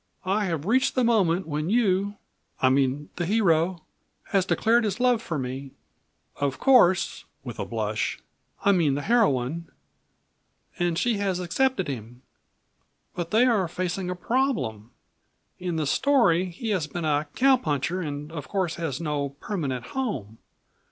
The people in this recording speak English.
I have reached the moment when you I mean the hero has declared his love for me, of course (with a blush) I mean the heroine, and she has accepted him. But they are facing a problem. In the story he has been a cowpuncher and of course has no permanent home.